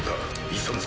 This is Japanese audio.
急ぐぞ。